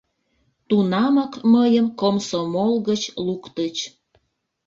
Тунамак мыйым комсомол гыч луктыч.